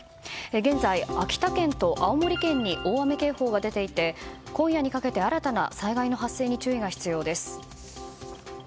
現在、秋田県と青森県に大雨警報が出ていて今夜にかけて新たな災害の発生に注意が必要です。